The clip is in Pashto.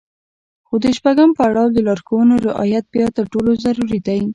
خو د شپږم پړاو د لارښوونو رعايت بيا تر ټولو ضروري دی.